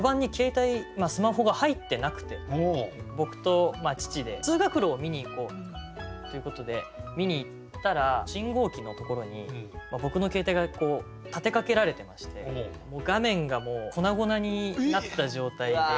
僕と父で通学路を見に行こうということで見に行ったら信号機のところに僕の携帯が立てかけられてまして画面がもう粉々になった状態で。